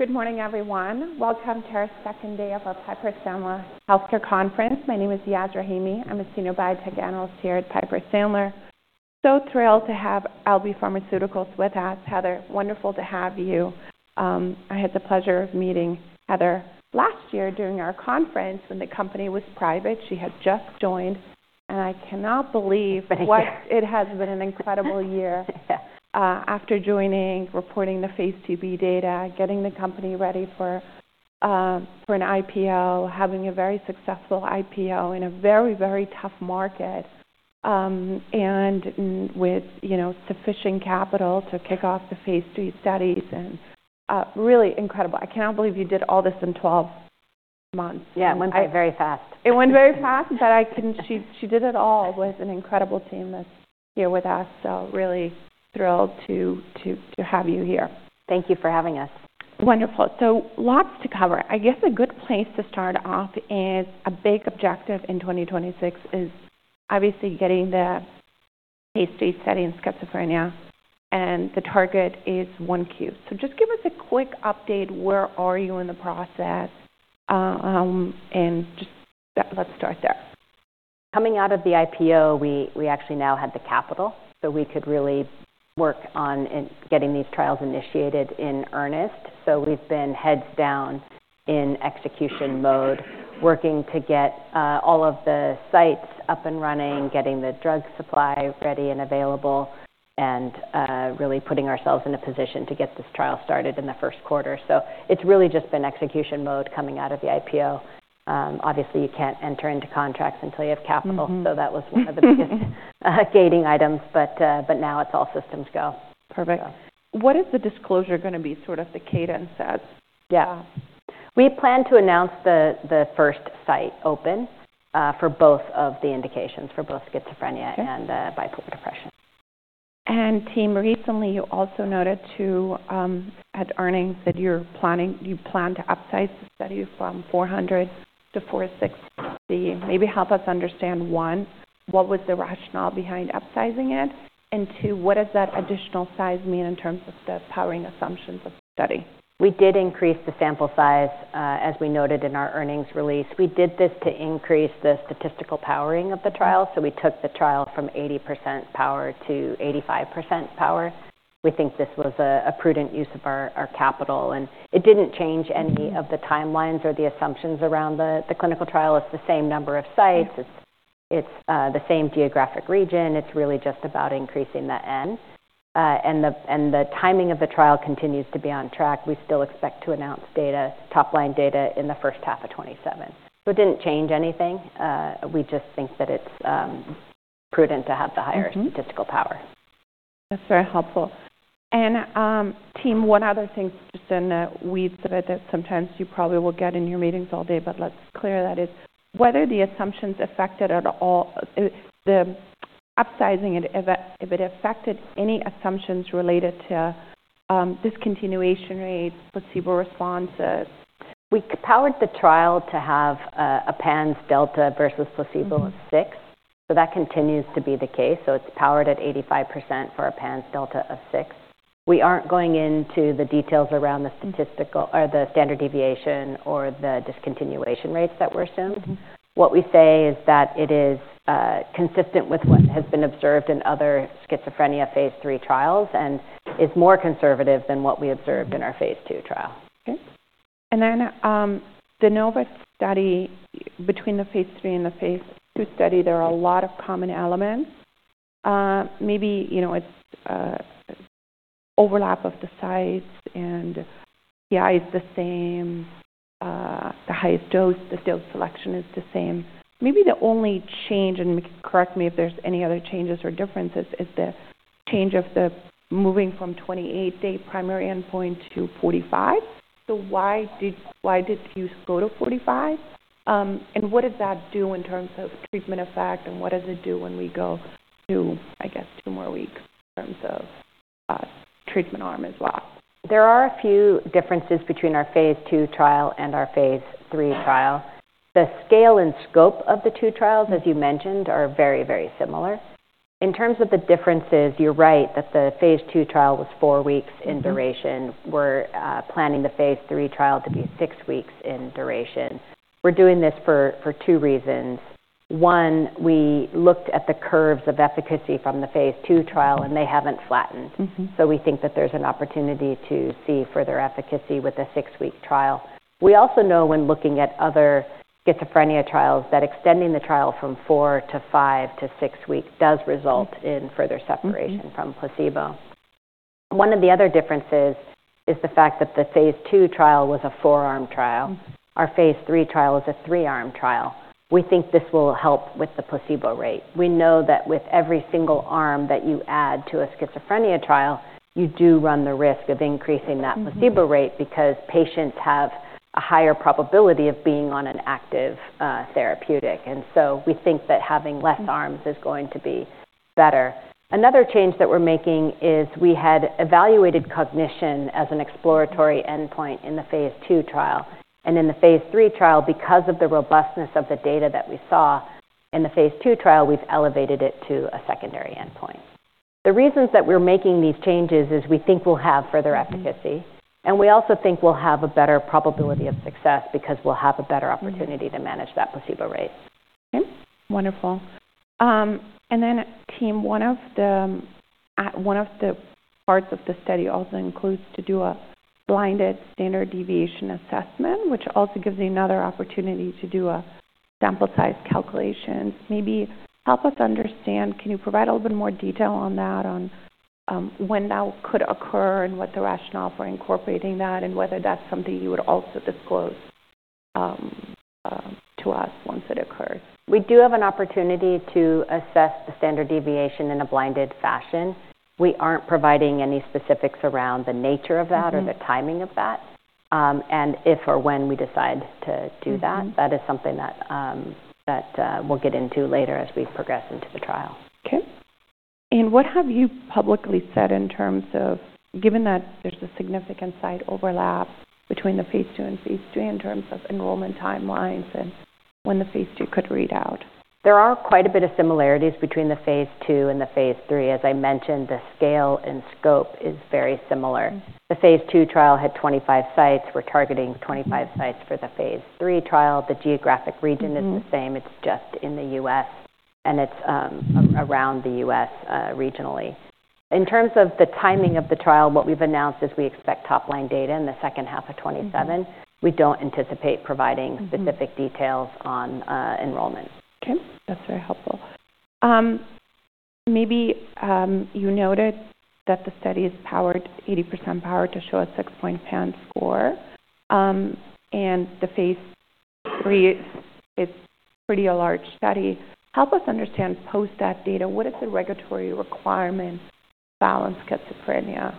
Good morning, everyone. Welcome to our second day of our Piper Sandler Healthcare Conference. My name is Yaz Rahimi. I'm a senior biotech analyst here at Piper Sandler. So thrilled to have LB Pharmaceuticals with us. Heather, wonderful to have you. I had the pleasure of meeting Heather last year during our conference when the company was private. She had just joined, and I cannot believe what it has been, an incredible year, after joining, reporting the phase II-B data, getting the company ready for an IPO, having a very successful IPO in a very, very tough market, and with sufficient capital to kick off the phase III studies. Really incredible. I cannot believe you did all this in 12 months. Yeah, it went by very fast. It went very fast, but she did it all with an incredible team that's here with us. So really thrilled to have you here. Thank you for having us. Wonderful. So lots to cover. I guess a good place to start off is a big objective in 2026 is obviously getting the phase III study in schizophrenia, and the target is Q1. So just give us a quick update: where are you in the process? And let's start there. Coming out of the IPO, we actually now had the capital, so we could really work on getting these trials initiated in earnest. So we've been heads down in execution mode, working to get all of the sites up and running, getting the drug supply ready and available, and really putting ourselves in a position to get this trial started in the first quarter. So it's really just been execution mode coming out of the IPO. Obviously, you can't enter into contracts until you have capital, so that was one of the biggest gating items. But now it's all systems go. Perfect. What is the disclosure going to be? Sort of the cadence as? Yeah. We plan to announce the first site open for both of the indications, for both schizophrenia and bipolar depression. Team, recently you also noted too at earnings that you plan to upsize the study from 400 to 460. Maybe help us understand, one, what was the rationale behind upsizing it? And two, what does that additional size mean in terms of the powering assumptions of the study? We did increase the sample size, as we noted in our earnings release. We did this to increase the statistical powering of the trial. So we took the trial from 80% power to 85% power. We think this was a prudent use of our capital. And it didn't change any of the timelines or the assumptions around the clinical trial. It's the same number of sites. It's the same geographic region. It's really just about increasing the N. And the timing of the trial continues to be on track. We still expect to announce top-line data in the first half of 2027. So it didn't change anything. We just think that it's prudent to have the higher statistical power. That's very helpful. And, Team, one other thing, just in the weeds that sometimes you probably will get in your meetings all day, but let's clear that is: whether the assumptions affected at all the upsizing, if it affected any assumptions related to discontinuation rates, placebo responses? We powered the trial to have a PANSS delta versus placebo of six. So that continues to be the case. So it's powered at 85% for a PANSS delta of six. We aren't going into the details around the standard deviation or the discontinuation rates that were assumed. What we say is that it is consistent with what has been observed in other schizophrenia phase III trials and is more conservative than what we observed in our phase II trial. Okay. And then the NOVA Study, between the phase III and the phase II study, there are a lot of common elements. Maybe it's overlap of the sites and PI is the same. The highest dose, the field selection is the same. Maybe the only change, and correct me if there's any other changes or differences, is the change of the moving from 28-day primary endpoint to 45. So why did you go to 45? And what does that do in terms of treatment effect, and what does it do when we go to, I guess, two more weeks in terms of treatment arm as well? There are a few differences between our phase II trial and our phase III trial. The scale and scope of the two trials, as you mentioned, are very, very similar. In terms of the differences, you're right that the phase II trial was four weeks in duration. We're planning the phase III trial to be six weeks in duration. We're doing this for two reasons. One, we looked at the curves of efficacy from the phase II trial, and they haven't flattened. So we think that there's an opportunity to see further efficacy with a six-week trial. We also know when looking at other schizophrenia trials that extending the trial from four to five to six weeks does result in further separation from placebo. One of the other differences is the fact that the phase II trial was a four-arm trial. Our phase III trial is a three-arm trial. We think this will help with the placebo rate. We know that with every single arm that you add to a schizophrenia trial, you do run the risk of increasing that placebo rate because patients have a higher probability of being on an active therapeutic. And so we think that having less arms is going to be better. Another change that we're making is we had evaluated cognition as an exploratory endpoint in the phase II trial. And in the phase III trial, because of the robustness of the data that we saw in the phase II trial, we've elevated it to a secondary endpoint. The reasons that we're making these changes is we think we'll have further efficacy. And we also think we'll have a better probability of success because we'll have a better opportunity to manage that placebo rate. Okay. Wonderful. And then, Turner, one of the parts of the study also includes to do a blinded standard deviation assessment, which also gives you another opportunity to do a sample size calculation. Maybe help us understand, can you provide a little bit more detail on that, on when that could occur and what the rationale for incorporating that and whether that's something you would also disclose to us once it occurs? We do have an opportunity to assess the standard deviation in a blinded fashion. We aren't providing any specifics around the nature of that or the timing of that. And if or when we decide to do that, that is something that we'll get into later as we progress into the trial. Okay. And what have you publicly said in terms of, given that there's a significant site overlap between the phase II and phase III in terms of enrollment timelines and when the phase II could read out? There are quite a bit of similarities between the phase II and the phase III. As I mentioned, the scale and scope is very similar. The phase II trial had 25 sites. We're targeting 25 sites for the phase III trial. The geographic region is the same. It's just in the U.S., and it's around the U.S. regionally. In terms of the timing of the trial, what we've announced is we expect top-line data in the second half of 2027. We don't anticipate providing specific details on enrollment. Okay. That's very helpful. Maybe you noted that the study is powered 80% power to show a 6-point PANSS score. The phase III is pretty large study. Help us understand Post-hoc data. What is the regulatory requirement for approval in schizophrenia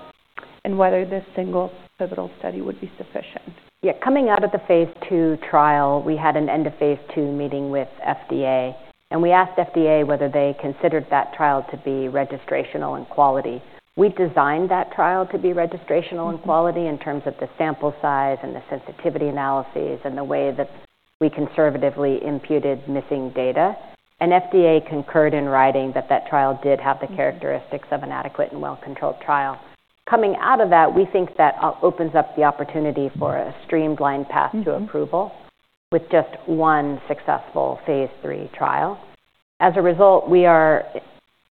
and whether this single pivotal study would be sufficient? Yeah. Coming out of the phase II trial, we had an end-of-phase II meeting with FDA. And we asked FDA whether they considered that trial to be registrational in quality. We designed that trial to be registrational in quality in terms of the sample size and the sensitivity analyses and the way that we conservatively imputed missing data. And FDA concurred in writing that that trial did have the characteristics of an adequate and well-controlled trial. Coming out of that, we think that opens up the opportunity for a streamlined path to approval with just one successful phase III trial. As a result, we are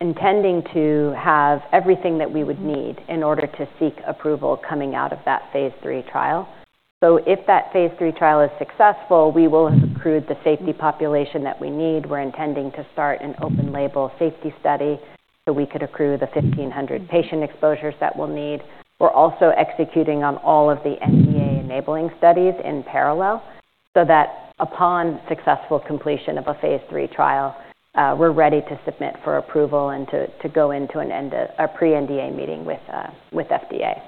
intending to have everything that we would need in order to seek approval coming out of that phase III trial. So if that phase III trial is successful, we will have accrued the safety population that we need. We're intending to start an open-label safety study so we could accrue the 1,500 patient exposures that we'll need. We're also executing on all of the NDA enabling studies in parallel so that upon successful completion of a phase III trial, we're ready to submit for approval and to go into a pre-NDA meeting with FDA.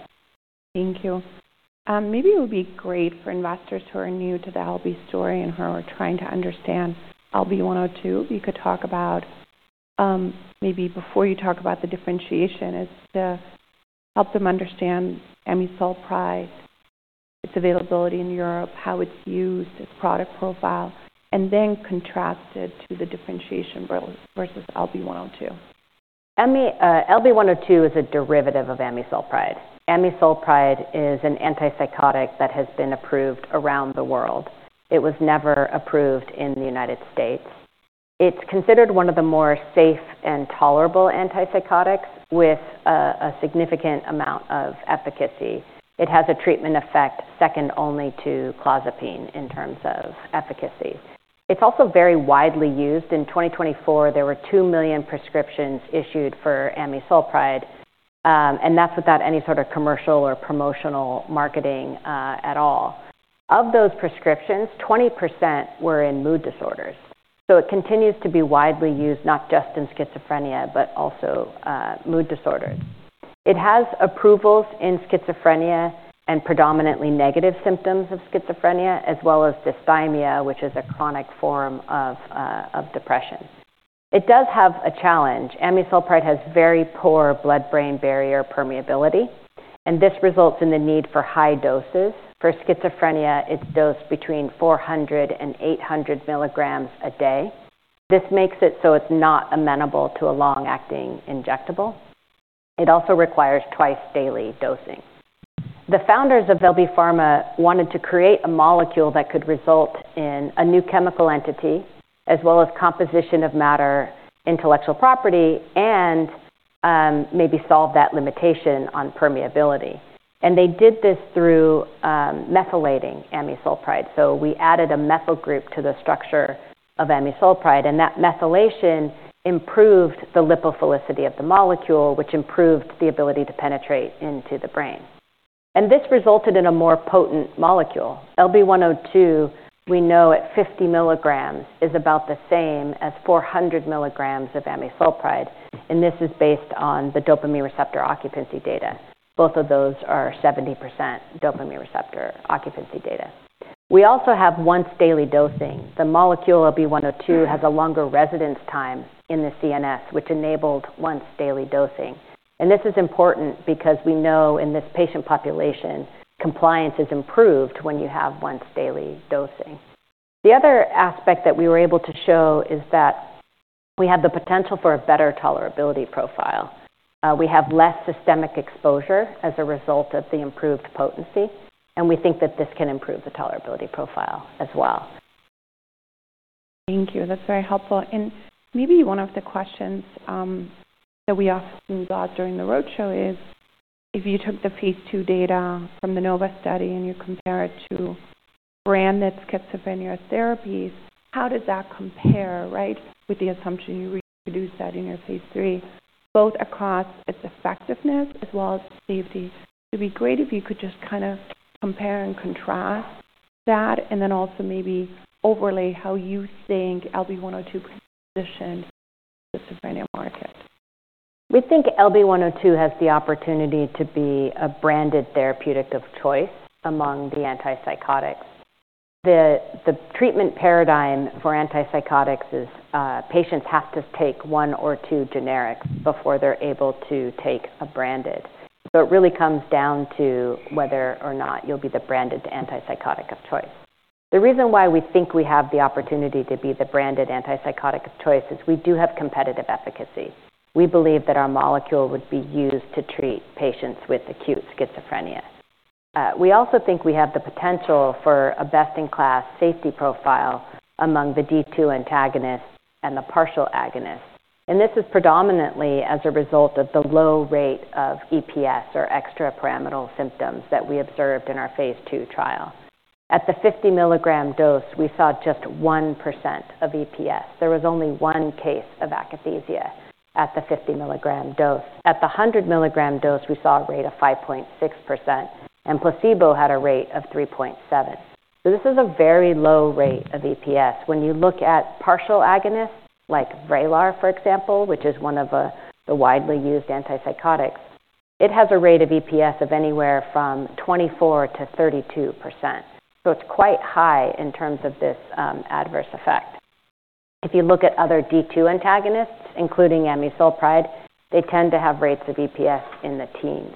Thank you. Maybe it would be great for investors who are new to the LB story and who are trying to understand LB-102. You could talk about, maybe before you talk about the differentiation, is to help them understand Amisulpride, its availability in Europe, how it's used, its product profile, and then contrast it to the differentiation versus LB-102. Amisulpride is a derivative of Amisulpride. Amisulpride is an antipsychotic that has been approved around the world. It was never approved in the United States. It's considered one of the more safe and tolerable antipsychotics with a significant amount of efficacy. It has a treatment effect second only to Clozapine in terms of efficacy. It's also very widely used. In 2024, there were 2 million prescriptions issued for Amisulpride, and that's without any sort of commercial or promotional marketing at all. Of those prescriptions, 20% were in mood disorders. So it continues to be widely used, not just in schizophrenia, but also mood disorders. It has approvals in schizophrenia and predominantly negative symptoms of schizophrenia, as well as dysthymia, which is a chronic form of depression. It does have a challenge. Amisulpride has very poor blood-brain barrier permeability, and this results in the need for high doses. For schizophrenia, it's dosed between 400 and 800 mg a day. This makes it so it's not amenable to a long-acting injectable. It also requires twice-daily dosing. The founders of LB Pharma wanted to create a molecule that could result in a new chemical entity, as well as composition of matter, intellectual property, and maybe solve that limitation on permeability. And they did this through methylating Amisulpride. So we added a methyl group to the structure of Amisulpride, and that methylation improved the lipophilicity of the molecule, which improved the ability to penetrate into the brain. And this resulted in a more potent molecule. LB-102, we know at 50 mg is about the same as 400 mg of Amisulpride. And this is based on the dopamine receptor occupancy data. Both of those are 70% dopamine receptor occupancy data. We also have once-daily dosing. The molecule LB-102 has a longer residence time in the CNS, which enabled once-daily dosing, and this is important because we know in this patient population, compliance is improved when you have once-daily dosing. The other aspect that we were able to show is that we have the potential for a better tolerability profile. We have less systemic exposure as a result of the improved potency, and we think that this can improve the tolerability profile as well. Thank you. That's very helpful. And maybe one of the questions that we often got during the roadshow is, if you took the phase II data from the NOVA Study and you compare it to branded schizophrenia therapies, how does that compare, right, with the assumption you reduced that in your phase III, both across its effectiveness as well as safety? It would be great if you could just kind of compare and contrast that, and then also maybe overlay how you think LB-102 positioned in the schizophrenia market. We think LB-102 has the opportunity to be a branded therapeutic of choice among the antipsychotics. The treatment paradigm for antipsychotics is patients have to take one or two generics before they're able to take a branded. So it really comes down to whether or not you'll be the branded antipsychotic of choice. The reason why we think we have the opportunity to be the branded antipsychotic of choice is we do have competitive efficacy. We believe that our molecule would be used to treat patients with acute schizophrenia. We also think we have the potential for a best-in-class safety profile among the D2 Antagonist and the partial agonist. This is predominantly as a result of the low rate of EPS or extrapyramidal symptoms that we observed in our phase II trial. At the 50 mg dose, we saw just 1% of EPS. There was only one case of akathisia at the 50 mg dose. At the 100-milligram dose, we saw a rate of 5.6%, and placebo had a rate of 3.7%, so this is a very low rate of EPS. When you look at partial agonists like Vraylar, for example, which is one of the widely used antipsychotics, it has a rate of EPS of anywhere from 24%-32%, so it's quite high in terms of this adverse effect. If you look at other D2 Antagonists, including Amisulpride, they tend to have rates of EPS in the teens,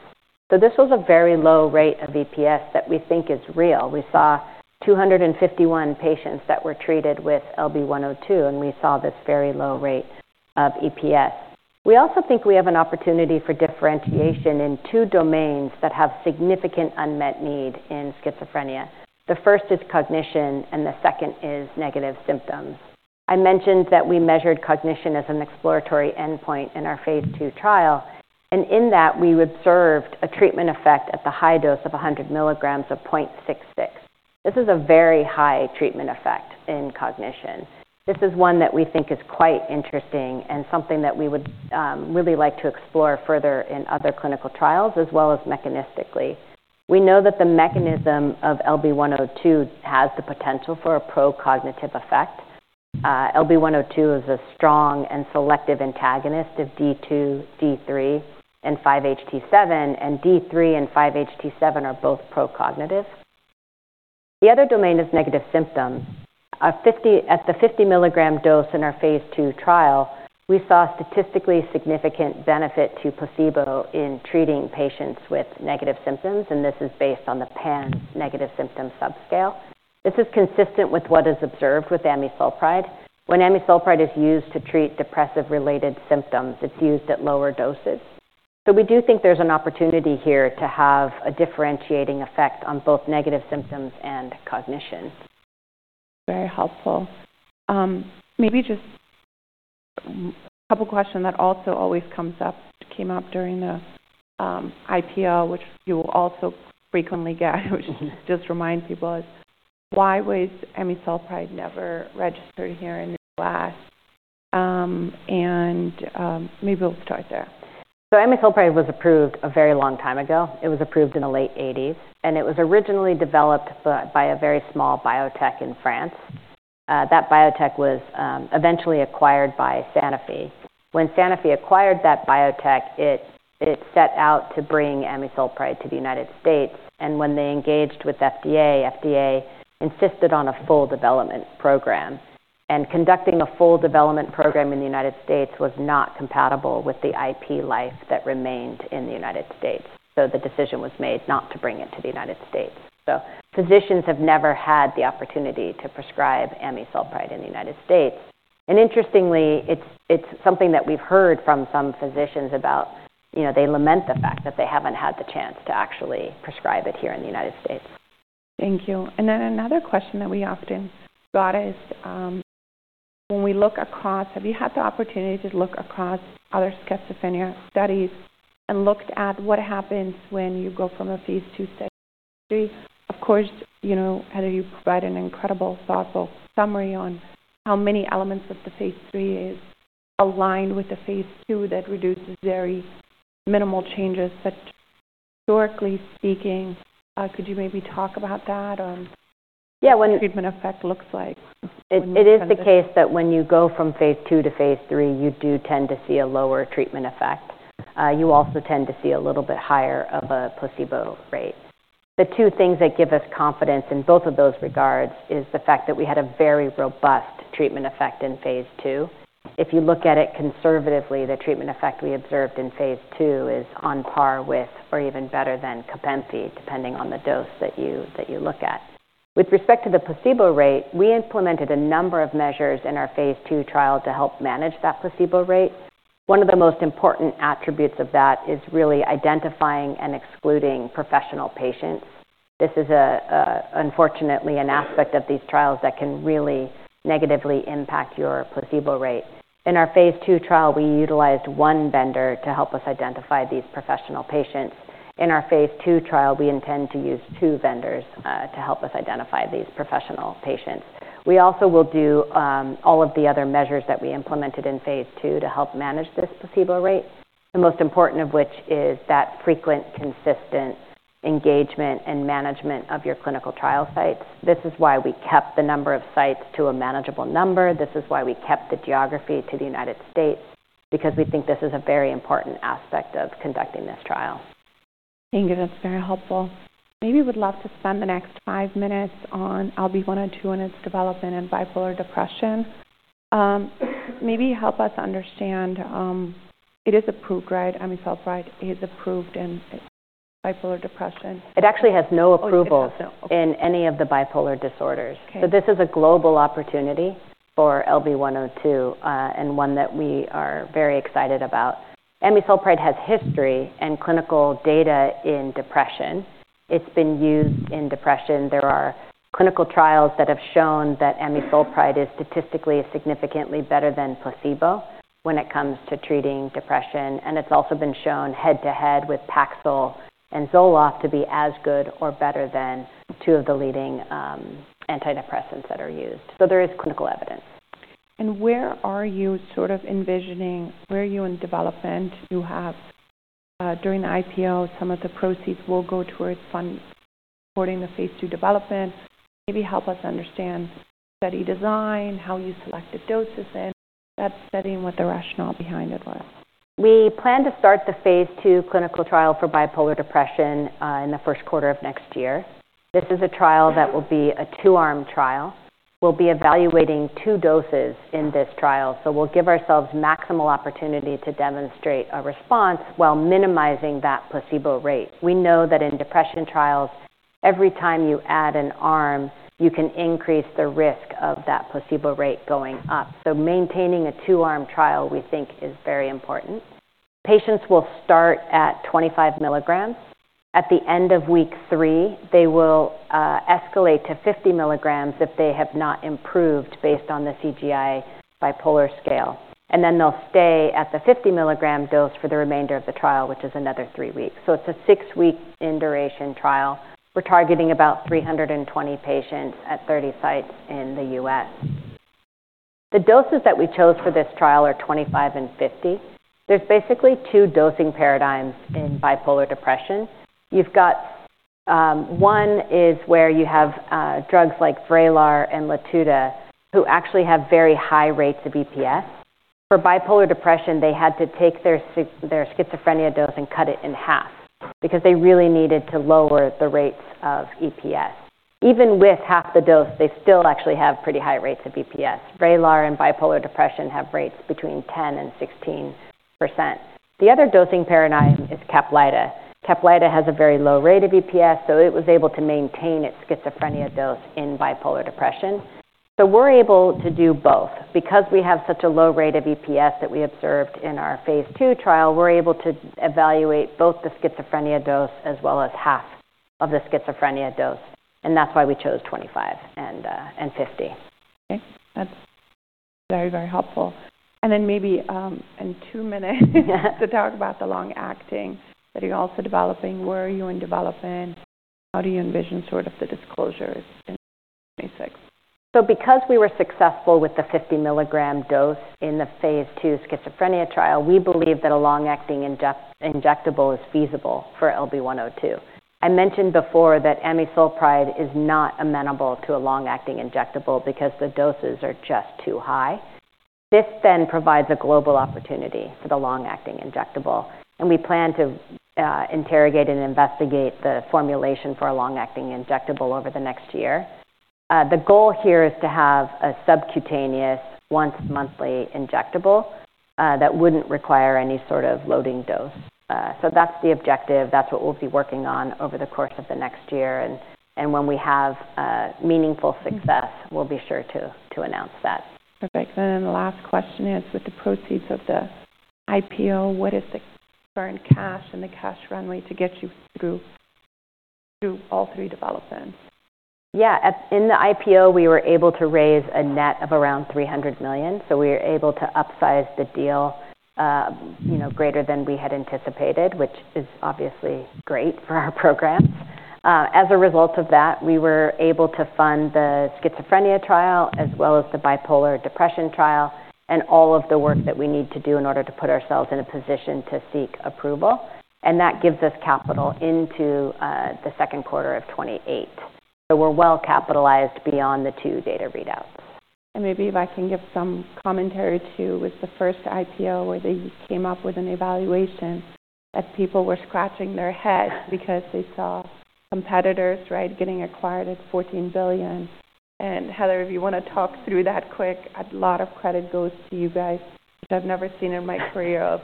so this was a very low rate of EPS that we think is real. We saw 251 patients that were treated with LB-102, and we saw this very low rate of EPS. We also think we have an opportunity for differentiation in two domains that have significant unmet need in schizophrenia. The first is cognition, and the second is negative symptoms. I mentioned that we measured cognition as an exploratory endpoint in our phase II trial, and in that, we observed a treatment effect at the high dose of 100 mg of 0.66. This is a very high treatment effect in cognition. This is one that we think is quite interesting and something that we would really like to explore further in other clinical trials as well as mechanistically. We know that the mechanism of LB-102 has the potential for a pro-cognitive effect. LB-102 is a strong and selective Antagonist of D2, D3, and 5-HT7, and D3 and 5-HT7 are both pro-cognitive. The other domain is negative symptoms. At the 50 mg dose in our phase II trial, we saw statistically significant benefit to placebo in treating patients with negative symptoms, and this is based on the PANSS negative symptom subscale. This is consistent with what is observed with amisulpride. When amisulpride is used to treat depressive-related symptoms, it's used at lower doses. So we do think there's an opportunity here to have a differentiating effect on both negative symptoms and cognition. Very helpful. Maybe just a couple of questions that also always come up during the IPO, which you will also frequently get, which just reminds people is, why was Amisulpride never registered here in the U.S.? And maybe we'll start there. So Amisulpride was approved a very long time ago. It was approved in the late 1980s. And it was originally developed by a very small biotech in France. That biotech was eventually acquired by Sanofi. When Sanofi acquired that biotech, it set out to bring Amisulpride to the United States. And when they engaged with FDA, FDA insisted on a full development program. And conducting a full development program in the United States was not compatible with the IP life that remained in the United States. So the decision was made not to bring it to the United States. So physicians have never had the opportunity to prescribe Amisulpride in the United States. And interestingly, it's something that we've heard from some physicians about. They lament the fact that they haven't had the chance to actually prescribe it here in the United States. Thank you, and then another question that we often got is, when we look across, have you had the opportunity to look across other schizophrenia studies and looked at what happens when you go from a phase II study to a phase III? Of course, Heather, you provide an incredibly thoughtful summary on how many elements of the phase III is aligned with the phase II that reduces very minimal changes. But historically speaking, could you maybe talk about that or what the treatment effect looks like? It is the case that when you go from phase II to phase III, you do tend to see a lower treatment effect. You also tend to see a little bit higher of a placebo rate. The two things that give us confidence in both of those regards is the fact that we had a very robust treatment effect in phase II. If you look at it conservatively, the treatment effect we observed in phase II is on par with or even better than Caplyta, depending on the dose that you look at. With respect to the placebo rate, we implemented a number of measures in our phase II trial to help manage that placebo rate. One of the most important attributes of that is really identifying and excluding professional patients. This is, unfortunately, an aspect of these trials that can really negatively impact your placebo rate. In our phase II trial, we utilized one vendor to help us identify these professional patients. In our phase II trial, we intend to use two vendors to help us identify these professional patients. We also will do all of the other measures that we implemented in phase II to help manage this placebo rate, the most important of which is that frequent, consistent engagement and management of your clinical trial sites. This is why we kept the number of sites to a manageable number. This is why we kept the geography to the United States, because we think this is a very important aspect of conducting this trial. Thank you. That's very helpful. Maybe we'd love to spend the next five minutes on LB-102 and its development in bipolar depression. Maybe help us understand, it is approved, right? Amisulpride is approved in bipolar depression. It actually has no approvals in any of the bipolar disorders. So this is a global opportunity for LB-102 and one that we are very excited about. Amisulpride has history and clinical data in depression. It's been used in depression. There are clinical trials that have shown that Amisulpride is statistically significantly better than placebo when it comes to treating depression. And it's also been shown head-to-head with Paxil and Zoloft to be as good or better than two of the leading antidepressants that are used. So there is clinical evidence. And where are you sort of envisioning? Where are you in development? You have, during the IPO, some of the proceeds will go towards funding the phase II development. Maybe help us understand study design, how you selected doses, and that study and what the rationale behind it was. We plan to start the phase II clinical trial for bipolar depression in the first quarter of next year. This is a trial that will be a two-arm trial. We'll be evaluating two doses in this trial. So we'll give ourselves maximal opportunity to demonstrate a response while minimizing that placebo rate. We know that in depression trials, every time you add an arm, you can increase the risk of that placebo rate going up. So maintaining a two-arm trial, we think, is very important. Patients will start at 25 mg. At the end of week three, they will escalate to 50 mg if they have not improved based on the CGI-BP scale. And then they'll stay at the 50 mg dose for the remainder of the trial, which is another three weeks. So it's a six-week duration trial. We're targeting about 320 patients at 30 sites in the U.S. The doses that we chose for this trial are 25 and 50. There's basically two dosing paradigms in bipolar depression. You've got one is where you have drugs like Vraylar and Latuda, who actually have very high rates of EPS. For bipolar depression, they had to take their schizophrenia dose and cut it in half because they really needed to lower the rates of EPS. Even with half the dose, they still actually have pretty high rates of EPS. Vraylar and bipolar depression have rates between 10% and 16%. The other dosing paradigm is Caplyta. Caplyta has a very low rate of EPS, so it was able to maintain its schizophrenia dose in bipolar depression. So we're able to do both. Because we have such a low rate of EPS that we observed in our phase II trial, we're able to evaluate both the schizophrenia dose as well as half of the schizophrenia dose, and that's why we chose 25 and 50. Okay. That's very, very helpful. And then maybe in two minutes, to talk about the long-acting that you're also developing, where are you in development, how do you envision sort of the disclosures in 2026? Because we were successful with the 50 mg dose in the phase II schizophrenia trial, we believe that a long-acting injectable is feasible for LB-102. I mentioned before that Amisulpride is not amenable to a long-acting injectable because the doses are just too high. This then provides a global opportunity for the long-acting injectable. We plan to interrogate and investigate the formulation for a long-acting injectable over the next year. The goal here is to have a subcutaneous once-monthly injectable that wouldn't require any sort of loading dose. That's the objective. That's what we'll be working on over the course of the next year. When we have meaningful success, we'll be sure to announce that. Perfect. And then the last question is, with the proceeds of the IPO, what is the current cash and the cash runway to get you through all three developments? Yeah. In the IPO, we were able to raise a net of around $300 million. So we were able to upsize the deal greater than we had anticipated, which is obviously great for our programs. As a result of that, we were able to fund the schizophrenia trial as well as the bipolar depression trial and all of the work that we need to do in order to put ourselves in a position to seek approval. And that gives us capital into the second quarter of 2028. So we're well capitalized beyond the two data readouts. Maybe if I can give some commentary too, with the first IPO where they came up with an evaluation that people were scratching their heads because they saw competitors, right, getting acquired at $14 billion. Heather, if you want to talk through that quick, a lot of credit goes to you guys, which I've never seen in my career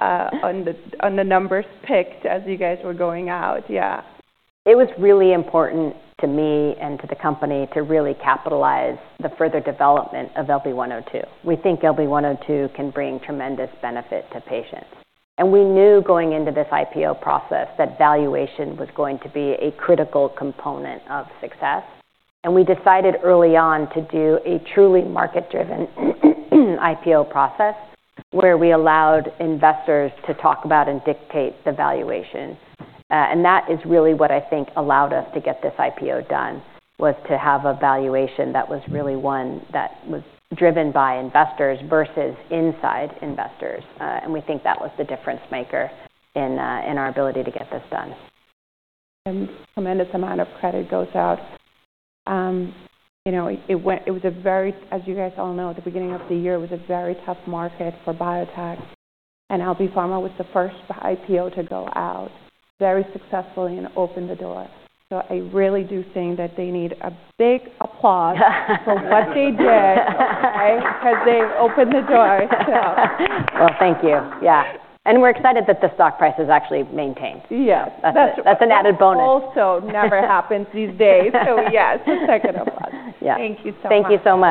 on the numbers picked as you guys were going out. Yeah. It was really important to me and to the company to really capitalize the further development of LB-102. We think LB-102 can bring tremendous benefit to patients. We knew going into this IPO process that valuation was going to be a critical component of success. We decided early on to do a truly market-driven IPO process where we allowed investors to talk about and dictate the valuation. That is really what I think allowed us to get this IPO done, was to have a valuation that was really one that was driven by investors versus inside investors. We think that was the difference maker in our ability to get this done. A tremendous amount of credit goes out. It was a very, as you guys all know, at the beginning of the year, it was a very tough market for biotech. And LB Pharma was the first IPO to go out very successfully and open the door. So I really do think that they need a big applause for what they did because they opened the door. Well, thank you. Yeah. And we're excited that the stock price has actually maintained. Yeah. That's an added bonus. Also never happens these days. So yes, a second applause. Thank you so much. Thank you so much.